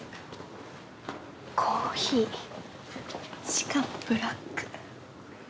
コーヒーしかもブラック